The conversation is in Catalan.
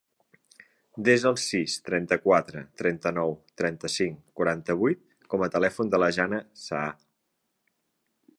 Desa el sis, trenta-quatre, trenta-nou, trenta-cinc, quaranta-vuit com a telèfon de la Jana Saa.